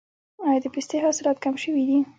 آیا د پستې حاصلات کم شوي دي؟